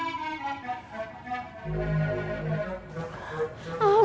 alhamdulillah ya neng